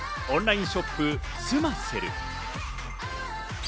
オンラインショップ、スマセル。